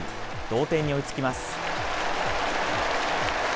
同点に追いつきます。